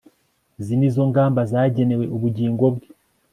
izi nizo ngamba zagenewe ubugingo bwe